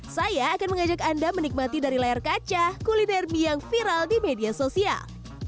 saya akan mengajak anda menikmati dari layar kaca kuliner mie yang viral di media sosial